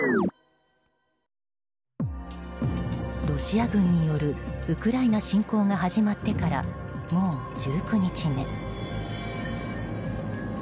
ロシア軍によるウクライナ侵攻が始まってからもう１９日目。